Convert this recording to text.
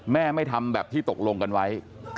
ไม่ทำแบบที่ตกลงกันไว้